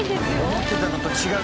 思ってたのと違う。